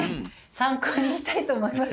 参考にしたいと思います。